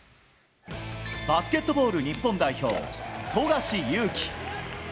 バスケットボール日本代表、富樫勇樹。